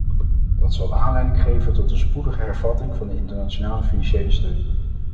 Dat zal aanleiding geven tot de spoedige hervatting van de internationale financiële steun.